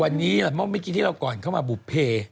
วันนี้เมื่อกี้ที่เราก่อนเข้ามาบุภเพ